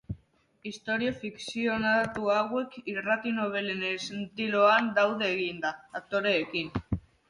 Istorio fikzionatu hauek irrati nobelen estiloan daude eginda, aktoreekin.